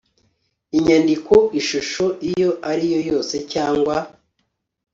inyandiko ishusho iyo ari yo yose cyangwa